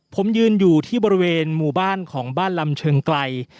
ผมยืนอยู่ที่บริเวณหมู่บ้านของบ้านลำเชิงไกล